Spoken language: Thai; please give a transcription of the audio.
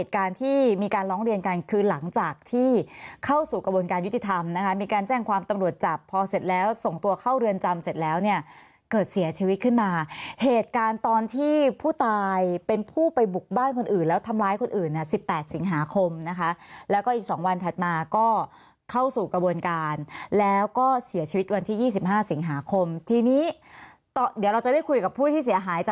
การที่มีการร้องเรียนกันคือหลังจากที่เข้าสู่กระบวนการยุติธรรมนะคะมีการแจ้งความตำรวจจับพอเสร็จแล้วส่งตัวเข้าเรือนจำเสร็จแล้วเนี่ยเกิดเสียชีวิตขึ้นมาเหตุการณ์ตอนที่ผู้ตายเป็นผู้ไปบุกบ้านคนอื่นแล้วทำร้ายคนอื่นเนี่ย๑๘สิงหาคมนะคะแล้วก็อีก๒วันถัดมาก็เข้าสู่กระบวนการแล้วก็เสียชีวิตวันที่๒๕สิงหาคมทีนี้เดี๋ยวเราจะได้คุยกับผู้ที่เสียหายจะ